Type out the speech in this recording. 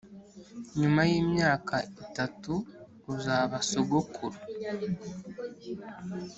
nyuma yimyaka itatu, uzaba sogokuru